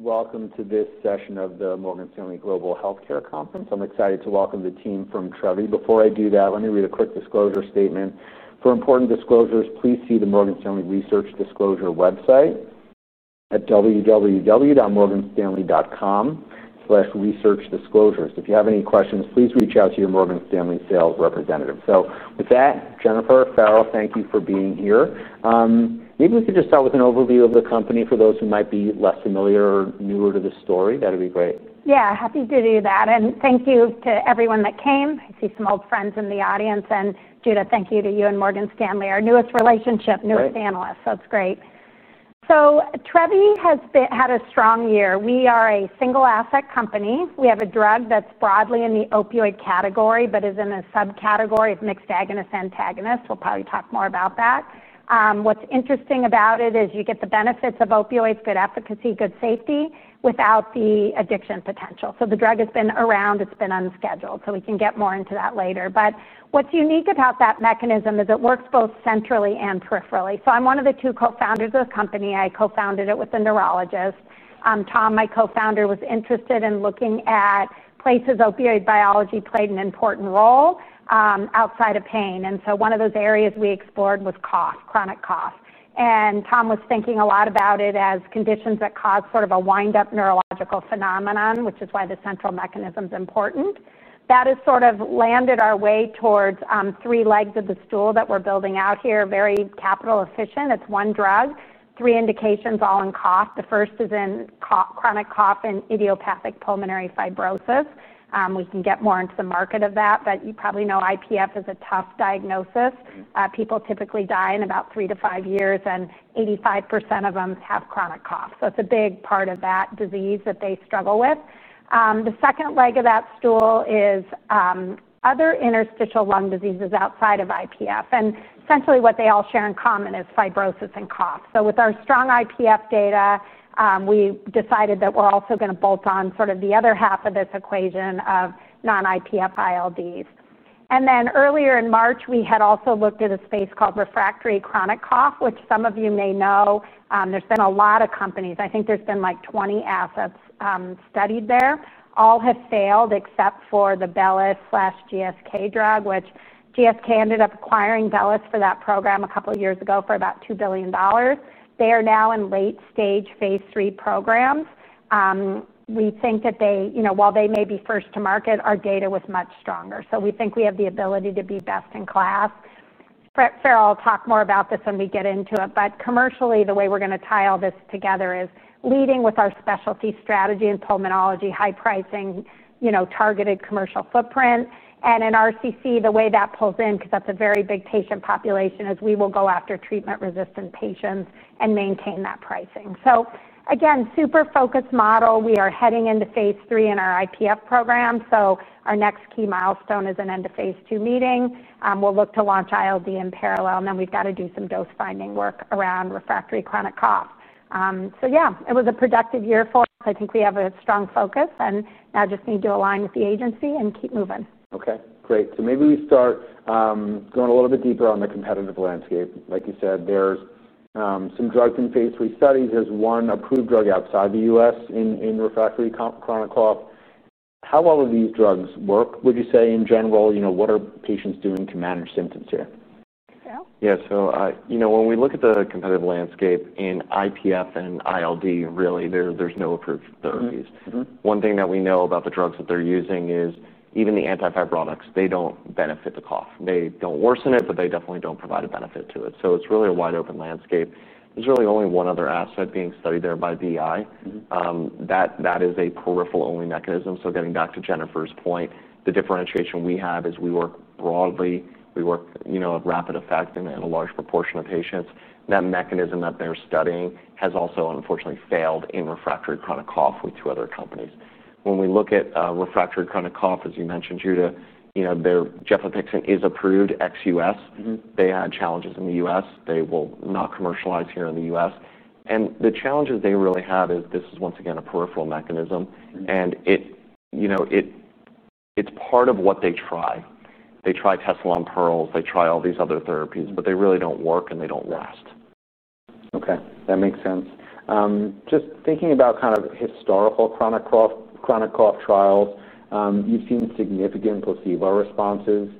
Welcome to this session of the Morgan Stanley Global Healthcare Conference. I'm excited to welcome the team from Trevi. Before I do that, let me read a quick disclosure statement. For important disclosures, please see the Morgan Stanley Research Disclosure website at www.morganstanley.com/researchdisclosures. If you have any questions, please reach out to your Morgan Stanley sales representative. Jennifer, Farrell, thank you for being here. Maybe we could just start with an overview of the company for those who might be less familiar or newer to the story. That'd be great. Yeah, happy to do that. Thank you to everyone that came. I see some old friends in the audience. Judith, thank you to you and Morgan Stanley, our newest relationship, newest analyst. That's great. Trevi has had a strong year. We are a single asset company. We have a drug that's broadly in the opioid category, but is in a subcategory of mixed agonist-antagonist. We'll probably talk more about that. What's interesting about it is you get the benefits of opioids, good efficacy, good safety, without the addiction potential. The drug has been around. It's been unscheduled. We can get more into that later. What's unique about that mechanism is it works both centrally and peripherally. I'm one of the two co-founders of the company. I co-founded it with a neurologist. Tom, my co-founder, was interested in looking at places opioid biology played an important role, outside of pain. One of those areas we explored was cough, chronic cough. Tom was thinking a lot about it as conditions that cause sort of a wind-up neurological phenomenon, which is why the central mechanism is important. That has sort of landed our way towards three legs of the stool that we're building out here, very capital efficient. It's one drug, three indications, all in cough. The first is in chronic cough and idiopathic pulmonary fibrosis. We can get more into the market of that. You probably know IPF is a tough diagnosis. People typically die in about three to five years, and 85% of them have chronic cough. It's a big part of that disease that they struggle with. The second leg of that stool is other interstitial lung diseases outside of IPF. Essentially, what they all share in common is fibrosis and cough. With our strong IPF data, we decided that we're also going to bolt on sort of the other half of this equation of non-IPF ILDs. Earlier in March, we had also looked at a space called refractory chronic cough, which some of you may know. There's been a lot of companies. I think there's been like 20 assets studied there. All have failed except for the Bellus/GSK drug, which GSK ended up acquiring Bellus for that program a couple of years ago for about $2 billion. They are now in late stage phase 3 programs. We think that they, you know, while they may be first to market, our data was much stronger. We think we have the ability to be best in class. Farrell will talk more about this when we get into it. Commercially, the way we're going to tie all this together is leading with our specialty strategy in pulmonology, high pricing, targeted commercial footprint. In RCC, the way that pulls in, because that's a very big patient population, is we will go after treatment-resistant patients and maintain that pricing. Again, super focused model. We are heading into phase 3 in our IPF program. Our next key milestone is an end of phase 2 meeting. We'll look to launch ILD in parallel, and then we've got to do some dose-finding work around refractory chronic cough. It was a productive year for us. I think we have a strong focus and now just need to align with the agency and keep moving. Okay, great. Maybe we start going a little bit deeper on the competitive landscape. Like you said, there's some drugs in phase 3 settings. There's one approved drug outside the U.S. in refractory chronic cough. How well do these drugs work, would you say, in general? What are patients doing to manage symptoms here? Yeah. When we look at the competitive landscape in idiopathic pulmonary fibrosis (IPF) and interstitial lung diseases (ILDs), really, there's no approved therapies. One thing that we know about the drugs that they're using is even the antifibrotics, they don't benefit the cough. They don't worsen it, but they definitely don't provide a benefit to it. It's really a wide open landscape. There's really only one other asset being studied there by VI. That is a peripheral only mechanism. Getting back to Jennifer's point, the differentiation we have is we work broadly. We work at rapid effect in a large proportion of patients. That mechanism that they're studying has also, unfortunately, failed in refractory chronic cough with two other companies. When we look at refractory chronic cough, as you mentioned, Judah, their Jeff Epickson is approved ex-U.S. They had challenges in the U.S. They will not commercialize here in the U.S. The challenges they really have is this is, once again, a peripheral mechanism. It's part of what they try. They try Tessalon Perles. They try all these other therapies, but they really don't work and they don't last. Okay. That makes sense. Just thinking about kind of historical chronic cough trials, you've seen significant placebo responses.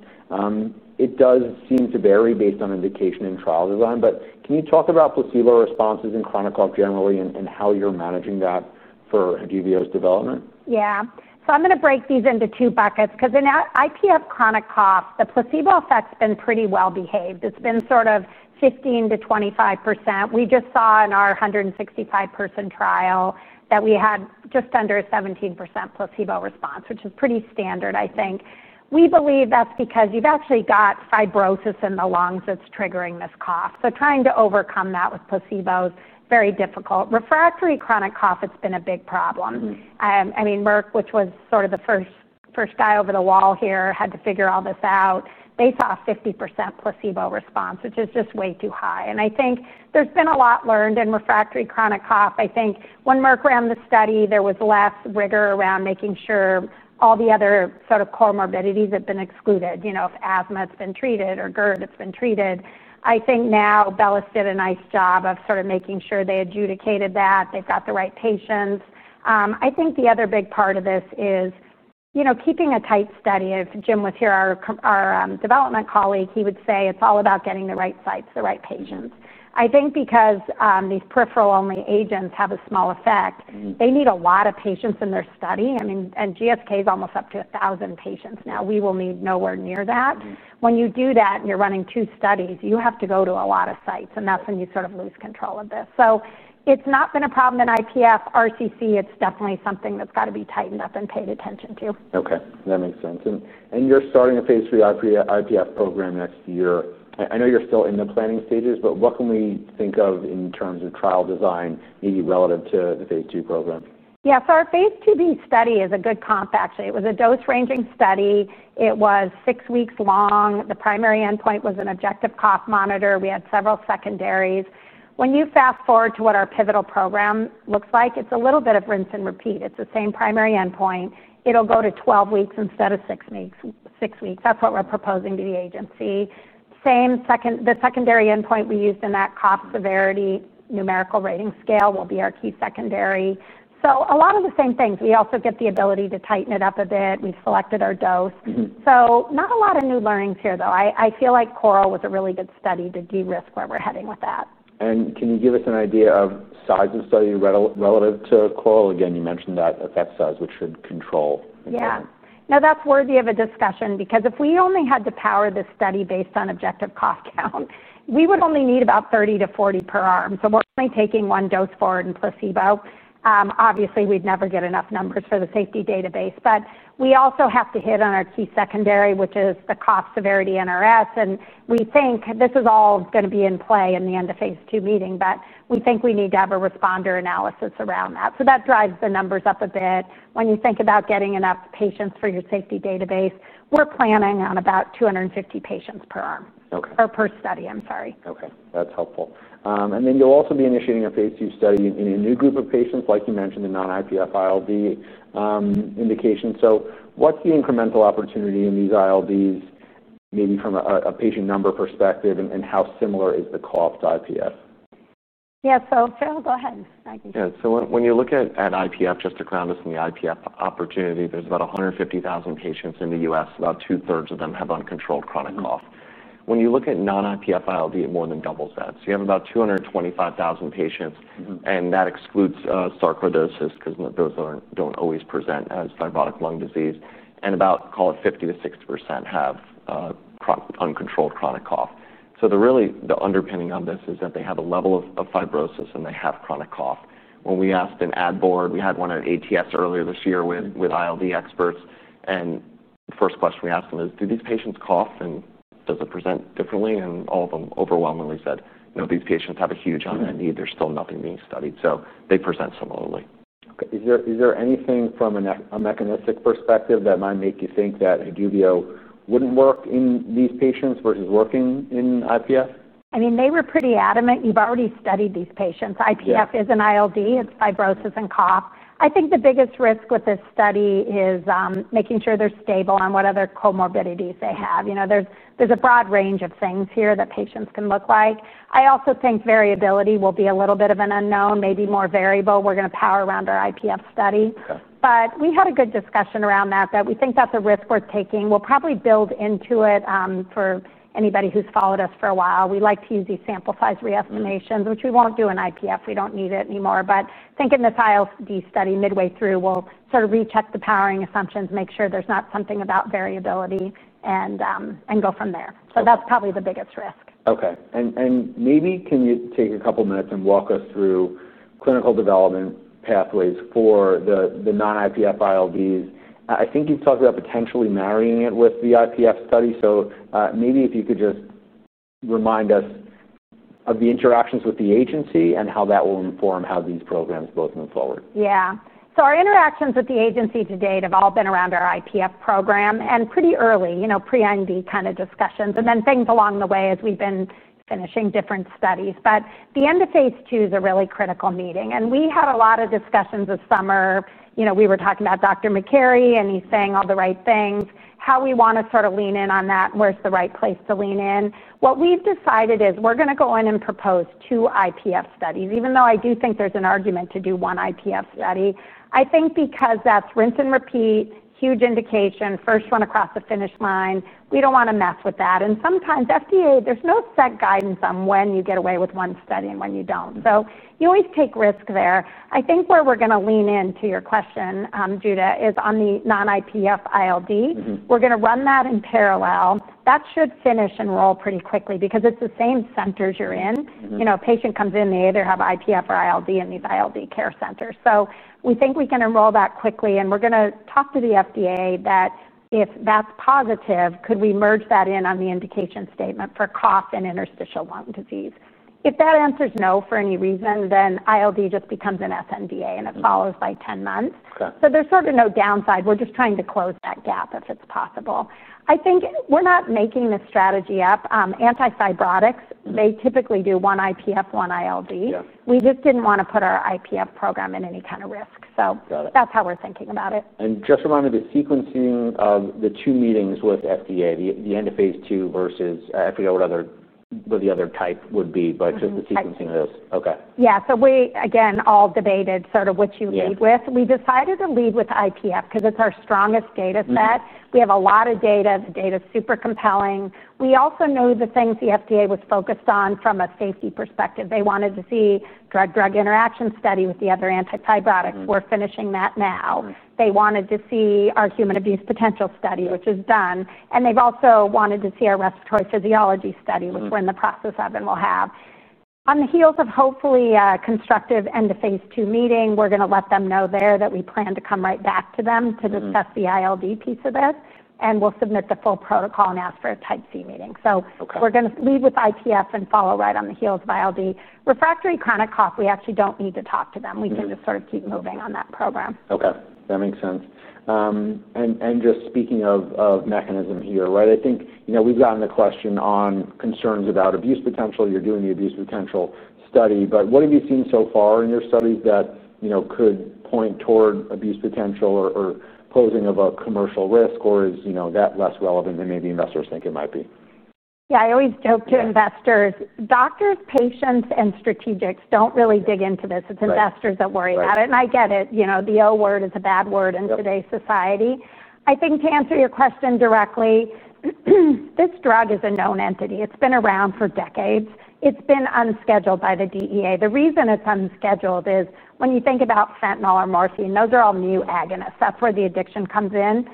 It does seem to vary based on indication and trial design. Can you talk about placebo responses in chronic cough generally and how you're managing that for Haduvio's development? Yeah. I am going to break these into two buckets because in idiopathic pulmonary fibrosis chronic cough, the placebo effect's been pretty well behaved. It's been sort of 15% to 25%. We just saw in our 165-person trial that we had just under a 17% placebo response, which is pretty standard, I think. We believe that's because you've actually got fibrosis in the lungs that's triggering this cough. Trying to overcome that with placebo is very difficult. Refractory chronic cough, it's been a big problem. Merck, which was sort of the first guy over the wall here, had to figure all this out. They saw a 50% placebo response, which is just way too high. I think there's been a lot learned in refractory chronic cough. I think when Merck ran the study, there was less rigor around making sure all the other comorbidities had been excluded. You know, if asthma has been treated or GERD has been treated, I think now Bellus did a nice job of making sure they adjudicated that. They've got the right patients. I think the other big part of this is keeping a tight study. If Jim was here, our development colleague, he would say it's all about getting the right sites, the right patients. I think because these peripheral only agents have a small effect, they need a lot of patients in their study. GSK is almost up to 1,000 patients now. We will need nowhere near that. When you do that and you're running two studies, you have to go to a lot of sites. That's when you sort of lose control of this. It's not been a problem in idiopathic pulmonary fibrosis. Refractory chronic cough, it's definitely something that's got to be tightened up and paid attention to. Okay. That makes sense. You're starting a phase 3 idiopathic pulmonary fibrosis program next year. I know you're still in the planning stages, but what can we think of in terms of trial design, maybe relative to the phase 2 program? Yeah. Our phase 2b study is a good comp, actually. It was a dose-ranging study. It was six weeks long. The primary endpoint was an objective cough monitor. We had several secondaries. When you fast forward to what our pivotal program looks like, it's a little bit of rinse and repeat. It's the same primary endpoint. It'll go to 12 weeks instead of six weeks. That's what we're proposing to the agency. Same second. The secondary endpoint we used in that cough severity numerical rating scale will be our key secondary. A lot of the same things. We also get the ability to tighten it up a bit. We've selected our dose. Not a lot of new learnings here, though. I feel like Coral was a really good study to de-risk where we're heading with that. Can you give us an idea of size of study relative to Coral? You mentioned that effect size, which should control? Yeah. No, that's worthy of a discussion because if we only had to power this study based on objective cough count, we would only need about 30 to 40 per arm. We're only taking one dose forward in placebo. Obviously, we'd never get enough numbers for the safety database. We also have to hit on our key secondary, which is the cough severity NRS. We think this is all going to be in play in the end of phase 2 meeting. We think we need to have a responder analysis around that. That drives the numbers up a bit. When you think about getting enough patients for your safety database, we're planning on about 250 patients per arm. Okay. Per study, I'm sorry. Okay. That's helpful. Then you'll also be initiating a phase 2 study in a new group of patients, like you mentioned, the non-IPF ILD indication. What's the incremental opportunity in these ILDs, maybe from a patient number perspective, and how similar is the cough to IPF? Yeah, Sarah, go ahead. I can share. When you look at idiopathic pulmonary fibrosis (IPF), just to ground us in the IPF opportunity, there's about 150,000 patients in the U.S. About two-thirds of them have uncontrolled chronic cough. When you look at non-IPF interstitial lung diseases (ILDs), it more than doubles that. You have about 225,000 patients, and that excludes sarcoidosis because those don't always present as fibrotic lung disease. About 50% to 60% have uncontrolled chronic cough. The underpinning of this is that they have a level of fibrosis and they have chronic cough. When we asked an ad board, we had one at ATS earlier this year with ILD experts. The first question we asked them is, do these patients cough and does it present differently? All of them overwhelmingly said, no, these patients have a huge unmet need. There's still nothing being studied. They present similarly. Okay. Is there anything from a mechanistic perspective that might make you think that Haduvio wouldn't work in these patients versus working in idiopathic pulmonary fibrosis? I mean, they were pretty adamant. You've already studied these patients. Idiopathic pulmonary fibrosis is an interstitial lung disease. It's fibrosis and cough. I think the biggest risk with this study is making sure they're stable on what other comorbidities they have. There's a broad range of things here that patients can look like. I also think variability will be a little bit of an unknown, maybe more variable. We're going to power around our idiopathic pulmonary fibrosis study. We had a good discussion around that, that we think that's a risk worth taking. We'll probably build into it for anybody who's followed us for a while. We like to use these sample size re-estimations, which we won't do in idiopathic pulmonary fibrosis. We don't need it anymore. I think in this interstitial lung disease study, midway through, we'll sort of recheck the powering assumptions, make sure there's not something about variability, and go from there. That's probably the biggest risk. Okay. Can you take a couple of minutes and walk us through clinical development pathways for the non-IPF ILDs? I think you've talked about potentially marrying it with the IPF study. Maybe if you could just remind us of the interactions with the agency and how that will inform how these programs both move forward. Yeah. Our interactions with the agency to date have all been around our IPF program and pretty early, pre-IND kind of discussions, and then things along the way as we've been finishing different studies. The end of phase 2 is a really critical meeting. We had a lot of discussions this summer. We were talking about Dr. McCarry, and he's saying all the right things, how we want to sort of lean in on that, and where's the right place to lean in. What we've decided is we're going to go in and propose two IPF studies, even though I do think there's an argument to do one IPF study. I think because that's rinse and repeat, huge indication, first one across the finish line, we don't want to mess with that. Sometimes FDA, there's no set guidance on when you get away with one study and when you don't, so you always take risk there. I think where we're going to lean into your question, Judah, is on the non-IPF ILD. We're going to run that in parallel. That should finish enroll pretty quickly because it's the same centers you're in. A patient comes in, they either have IPF or ILD in these ILD care centers, so we think we can enroll that quickly. We're going to talk to the FDA that if that's positive, could we merge that in on the indication statement for cough and interstitial lung disease? If that answer's no for any reason, then ILD just becomes an FNDA and it follows by 10 months. There's sort of no downside. We're just trying to close that gap if it's possible. I think we're not making this strategy up. Antifibrotics, they typically do one IPF, one ILD. We just didn't want to put our IPF program in any kind of risk. That's how we're thinking about it. Remind me the sequencing of the two meetings with FDA, the end of phase 2 versus I forget what the other type would be, just the sequencing of this. Yeah. We, again, all debated sort of which you lead with. We decided to lead with IPF because it's our strongest data set. We have a lot of data. The data is super compelling. We also knew the things the FDA was focused on from a safety perspective. They wanted to see drug-drug interaction study with the other antifibrotics. We're finishing that now. They wanted to see our human abuse potential study, which is done. They've also wanted to see our respiratory physiology study, which we're in the process of and will have. On the heels of hopefully a constructive end of phase 2 meeting, we're going to let them know there that we plan to come right back to them to discuss the ILD piece of this. We'll submit the full protocol and ask for a type C meeting. We're going to lead with IPF and follow right on the heels of ILD. Refractory chronic cough, we actually don't need to talk to them. We can just sort of keep moving on that program. Okay. That makes sense. Just speaking of mechanism here, right, I think, you know, we've gotten the question on concerns about abuse potential. You're doing the abuse potential study. What have you seen so far in your studies that, you know, could point toward abuse potential or posing of a commercial risk, or is, you know, that less relevant than maybe investors think it might be? Yeah. I always joke to investors, doctors, patients, and strategics don't really dig into this. It's investors that worry about it. I get it. You know, the O word is a bad word in today's society. I think to answer your question directly, this drug is a known entity. It's been around for decades. It's been unscheduled by the DEA. The reason it's unscheduled is when you think about fentanyl or morphine, those are all mu agonists. That's where the addiction comes in.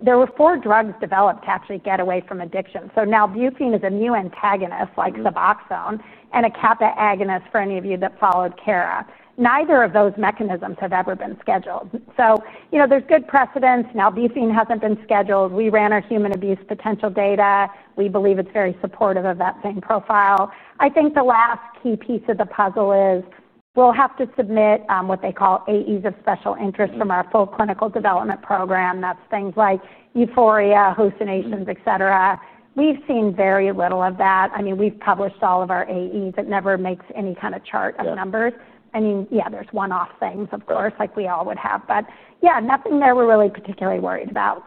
There were four drugs developed to actually get away from addiction. Nalbuphine is a mu antagonist like Suboxone and a kappa agonist for any of you that followed Cara. Neither of those mechanisms have ever been scheduled. There's good precedence. Nalbuphine hasn't been scheduled. We ran our human abuse potential data. We believe it's very supportive of that same profile. I think the last key piece of the puzzle is we'll have to submit what they call AEs of special interest from our full clinical development program. That's things like euphoria, hallucinations, etc. We've seen very little of that. We've published all of our AEs. It never makes any kind of chart of numbers. There's one-off things, of course, like we all would have. Nothing there we're really particularly worried about.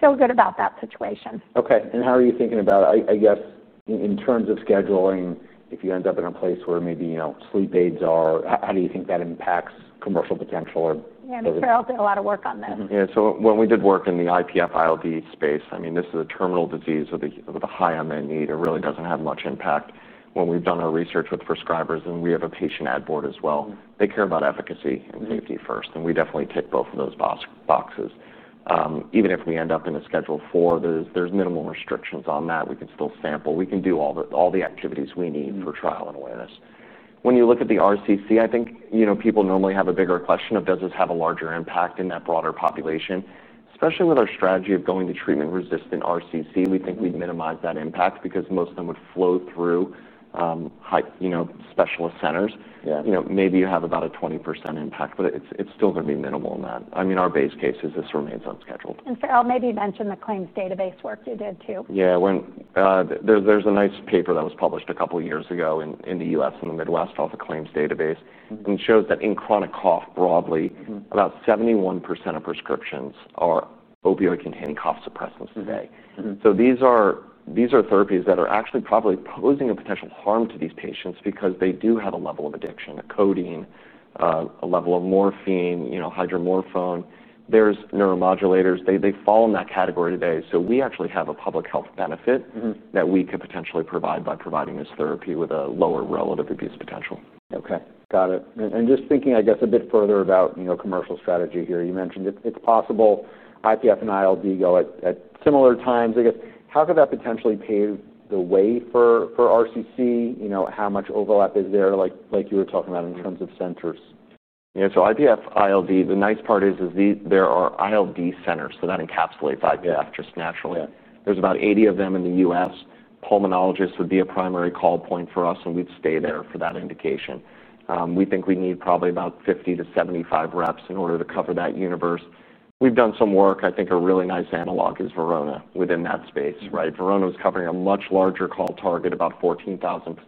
Feel good about that situation. Okay. How are you thinking about, I guess, in terms of scheduling, if you end up in a place where maybe, you know, sleep aids are, how do you think that impacts commercial potential? Yeah, I mean, Farrell Simon did a lot of work on this. Yeah. When we did work in the idiopathic pulmonary fibrosis (IPF) ILD space, I mean, this is a terminal disease with a high unmet need. It really doesn't have much impact. When we've done our research with prescribers, and we have a patient ad board as well, they care about efficacy and safety first. We definitely tick both of those boxes. Even if we end up in a schedule four, there's minimal restrictions on that. We can still sample. We can do all the activities we need for trial and awareness. When you look at the refractory chronic cough (RCC), I think people normally have a bigger question of does this have a larger impact in that broader population. Especially with our strategy of going to treatment-resistant RCC, we think we'd minimize that impact because most of them would float through high, you know, specialist centers. Maybe you have about a 20% impact, but it's still going to be minimal in that. I mean, our base case is this remains unscheduled. Farrell, maybe you mentioned the claims database work you did too. Yeah. There's a nice paper that was published a couple of years ago in the U.S. and the Midwest called the Claims Database. It shows that in chronic cough broadly, about 71% of prescriptions are opioid-containing cough suppressants today. These are therapies that are actually probably posing a potential harm to these patients because they do have a level of addiction, a codeine, a level of morphine, you know, hydromorphone. There are neuromodulators. They fall in that category today. We actually have a public health benefit that we could potentially provide by providing this therapy with a lower relative abuse potential. Okay. Got it. Just thinking, I guess, a bit further about, you know, commercial strategy here. You mentioned it's possible IPF and ILDs go at similar times. I guess, how could that potentially pave the way for RCC? You know, how much overlap is there, like you were talking about in terms of centers? Yeah. So IPF, ILDs, the nice part is there are ILD centers, so that encapsulates IPF just naturally. There's about 80 of them in the U.S. Pulmonologists would be a primary call point for us, and we'd stay there for that indication. We think we need probably about 50 to 75 reps in order to cover that universe. We've done some work. I think a really nice analog is Verona within that space, right? Verona is covering a much larger call target, about 14,000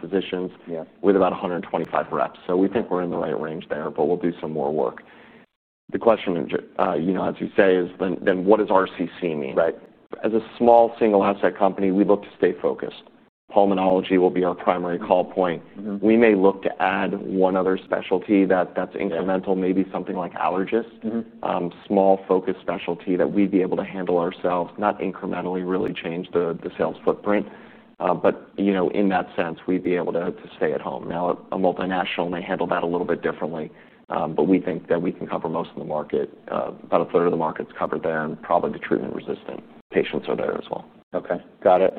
physicians with about 125 reps. We think we're in the right range there, but we'll do some more work. The question, you know, as you say, is then what does RCC mean? Right. As a small single-asset company, we look to stay focused. Pulmonology will be our primary call point. We may look to add one other specialty that's incremental, maybe something like allergists, small focus specialty that we'd be able to handle ourselves, not incrementally really change the sales footprint, but you know, in that sense, we'd be able to stay at home. Now, a multinational may handle that a little bit differently, but we think that we can cover most of the market. About a third of the market's covered there, and probably the treatment-resistant patients are there as well. Got it.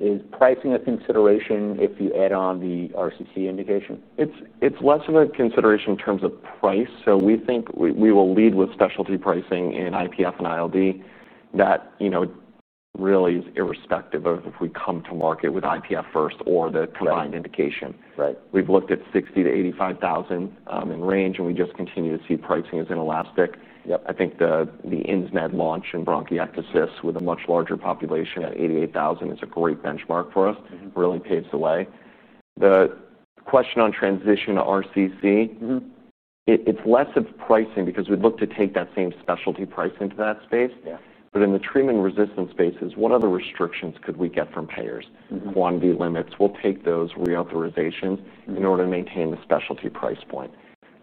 Is pricing a consideration if you add on the RCC indication? It's less of a consideration in terms of price. We think we will lead with specialty pricing in IPF and ILDs that really is irrespective of if we come to market with IPF first or the combined indication. We've looked at $60,000 to $85,000 in range, and we just continue to see pricing as inelastic. I think the INSMED launch in bronchiectasis with a much larger population at $88,000 is a great benchmark for us. It really paves the way. The question on transition to RCC, it's less of pricing because we'd look to take that same specialty pricing to that space. In the treatment-resistant spaces, what other restrictions could we get from payers? Quantity limits. We'll take those reauthorizations in order to maintain the specialty price point.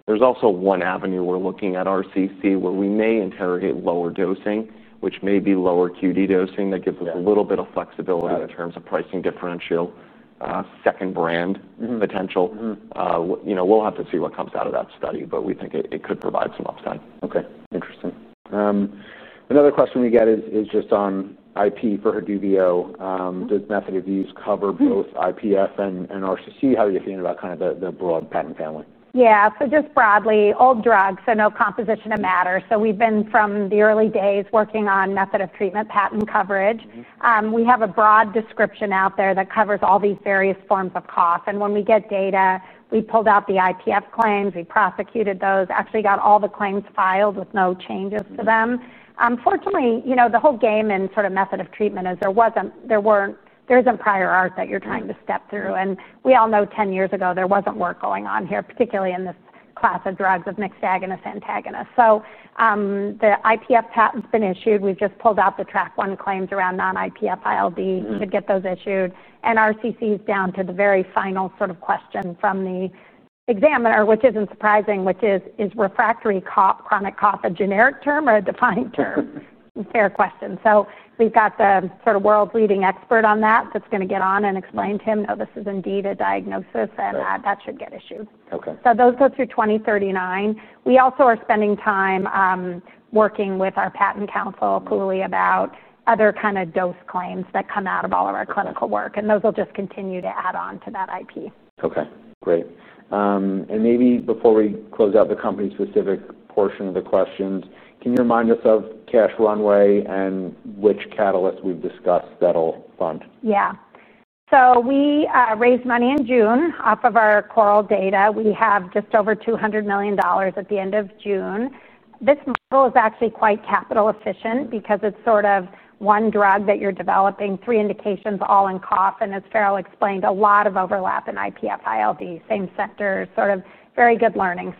There's also one avenue we're looking at in RCC where we may interrogate lower dosing, which may be lower QD dosing. That gives us a little bit of flexibility in terms of pricing differential, second brand potential. We'll have to see what comes out of that study, but we think it could provide some upside. Okay. Interesting. Another question we get is just on IP for Haduvio. Does method of use cover both IPF and RCC? How are you thinking about kind of the broad patent family? Yeah. So just broadly, all drugs, so no composition of matter. We've been from the early days working on method of treatment patent coverage. We have a broad description out there that covers all these various forms of cough. When we get data, we pulled out the IPF claims. We prosecuted those, actually got all the claims filed with no changes to them. Unfortunately, the whole game in sort of method of treatment is there wasn't, there weren't, there isn't prior art that you're trying to step through. We all know 10 years ago, there wasn't work going on here, particularly in this class of drugs of mixed agonist-antagonist. The IPF patent's been issued. We've just pulled out the track one claims around non-IPF ILD to get those issued. RCC is down to the very final sort of question from the examiner, which isn't surprising, which is, is refractory chronic cough a generic term or a defined term? Fair question. We've got the sort of world-leading expert on that that's going to get on and explain to him, no, this is indeed a diagnosis, and that should get issued. Okay, so those go through 2039. We also are spending time working with our patent counsel about other kind of dose claims that come out of all of our clinical work. Those will just continue to add on to that IP. Okay. Great. Before we close out the company-specific portion of the questions, can you remind us of cash runway and which catalyst we've discussed that'll fund? Yeah. So we raised money in June off of our Coral data. We have just over $200 million at the end of June. This model is actually quite capital efficient because it's sort of one drug that you're developing, three indications all in cough. As Farrell explained, a lot of overlap in IPF, ILD, same center, sort of very good learning.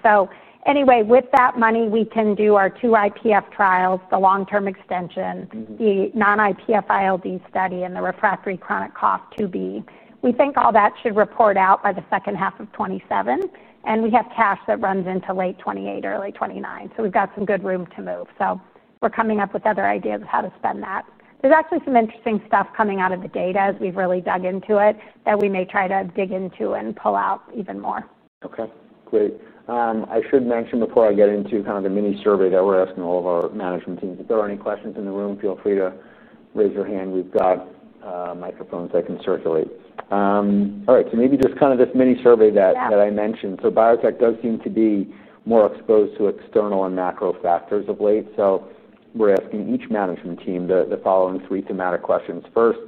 With that money, we can do our two IPF trials, the long-term extension, the non-IPF ILD study, and the refractory chronic cough 2B. We think all that should report out by the second half of 2027. We have cash that runs into late 2028, early 2029. We've got some good room to move. We're coming up with other ideas of how to spend that. There's actually some interesting stuff coming out of the data as we've really dug into it that we may try to dig into and pull out even more. Okay. Great. I should mention before I get into the mini survey that we're asking all of our management teams, if there are any questions in the room, feel free to raise your hand. We've got microphones that can circulate. All right. Maybe just this mini survey that I mentioned. Biotech does seem to be more exposed to external and macro factors of late. We're asking each management team the following three thematic questions. First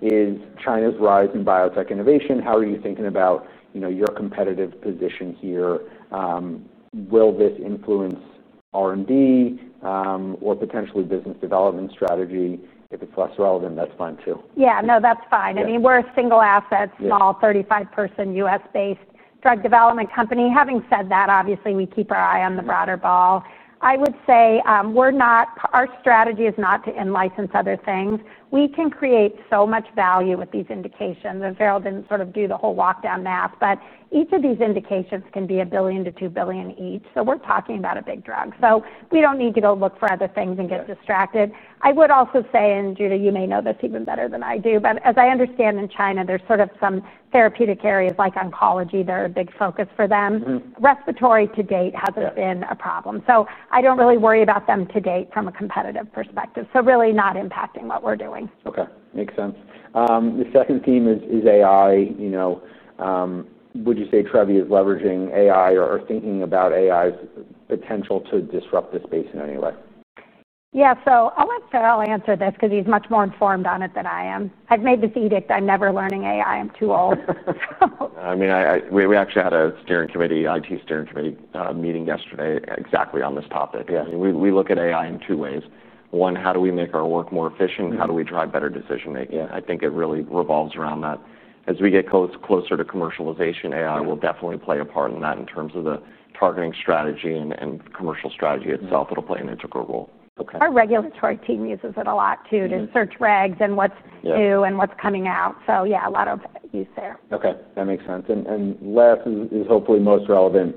is China's rise in biotech innovation. How are you thinking about your competitive position here? Will this influence R&D, or potentially business development strategy? If it's less relevant, that's fine too. Yeah. No, that's fine. I mean, we're a single-asset, small 35-person U.S.-based drug development company. Having said that, obviously, we keep our eye on the broader ball. I would say our strategy is not to en-license other things. We can create so much value with these indications. Farrell didn't sort of do the whole walk-down math, but each of these indications can be $1 billion to $2 billion each. We're talking about a big drug. We don't need to go look for other things and get distracted. I would also say, and Judah, you may know this even better than I do, but as I understand in China, there are sort of some therapeutic areas like oncology that are a big focus for them. Respiratory to date hasn't been a problem. I don't really worry about them to date from a competitive perspective. It's really not impacting what we're doing. Okay. Makes sense. The second theme is AI. You know, would you say Trevi is leveraging AI or thinking about AI's potential to disrupt the space in any way? Yeah. I'll let Farrell answer this because he's much more informed on it than I am. I've made this edict. I'm never learning AI. I'm too old. We actually had a steering committee, IT steering committee meeting yesterday exactly on this topic. We look at AI in two ways. One, how do we make our work more efficient? How do we drive better decision-making? I think it really revolves around that. As we get closer to commercialization, AI will definitely play a part in that in terms of the targeting strategy and commercial strategy itself. It'll play an integral role. Our regulatory team uses it a lot too to search regs, what's new, and what's coming out. Yeah, a lot of use there. Okay. That makes sense. Last is hopefully most relevant,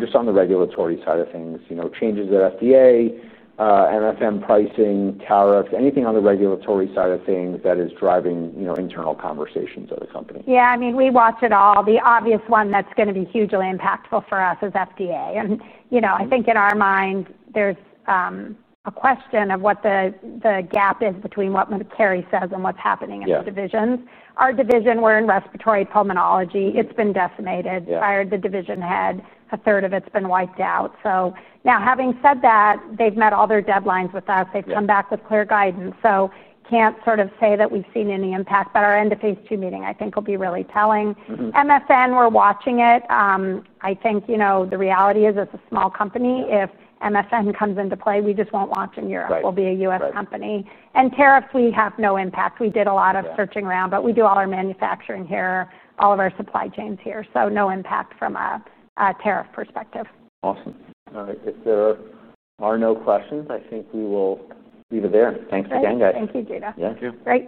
just on the regulatory side of things, you know, changes to FDA, NFM pricing, tariffs, anything on the regulatory side of things that is driving, you know, internal conversations of the company. Yeah. I mean, we watch it all. The obvious one that's going to be hugely impactful for us is FDA. I think in our mind, there's a question of what the gap is between what McCarry says and what's happening in the divisions. Our division, we're in respiratory pulmonology. It's been decimated. Fired the division head. A third of it's been wiped out. Having said that, they've met all their deadlines with us. They've come back with clear guidance. Can't sort of say that we've seen any impact, but our end of phase 2 meeting, I think, will be really telling. MSN, we're watching it. I think the reality is it's a small company. If MSN comes into play, we just won't launch in Europe. We'll be a U.S. company. Tariffs, we have no impact. We did a lot of searching around, but we do all our manufacturing here, all of our supply chains here. No impact from a tariff perspective. Awesome. All right. If there are no questions, I think we will leave it there. Thanks again, guys. Thank you, Judah. Thank you. Great.